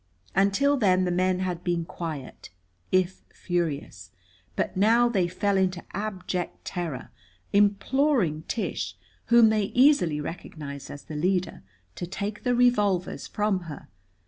Until then the men had been quiet, if furious. But now they fell into abject terror, imploring Tish, whom they easily recognized as the leader, to take the revolvers from her.